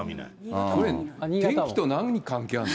天気と何が関係あるの？